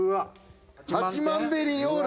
８万ベリーオール。